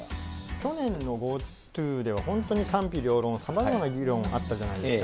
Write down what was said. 去年のＧｏＴｏでは本当に賛否両論、さまざまな議論あったじゃないですか。